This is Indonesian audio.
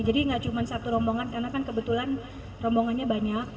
jadi tidak cuma satu rombongan karena kan kebetulan rombongannya banyak